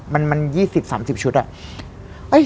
มัน๒๐๓๐ชุดอะ